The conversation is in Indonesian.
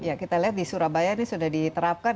ya kita lihat di surabaya ini sudah diterapkan